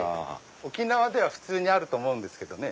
沖縄では普通にあると思うんですけどね。